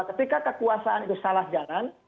ketika kekuasaan itu salah jalan